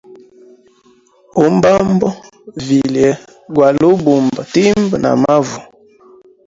Umbambo vilye gwali ubamba timba na mavu.